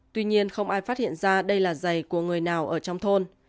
tuy nhiên không ai phát hiện ra đây là giày của người nào ở trong thôn